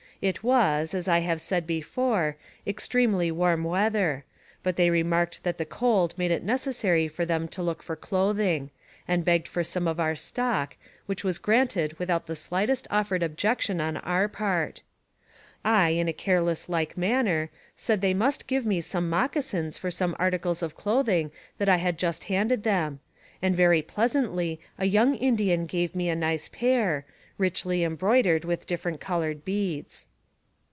It was, as I have said be fore, extremely warm weather, but they remarked that the cold made it necessary for them to look for clothing, and begged for some from our stock, which was granted without the slightest offered objection on our part. I, in a careless like manner, said they must give me some moccasins for some articles of clothing that I had just handed them, and very pleasantly a young Indian gave me a nice pair, richly embroidered with different colored beads.